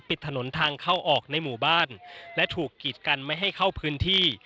ปิดถนนทางเข้าออกในหมู่บ้านและถูกกีดกันไม่ให้เข้าพื้นที่